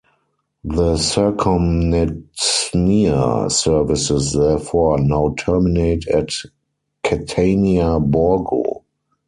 The Circumetnea services, therefore, now terminate at Catania Borgo.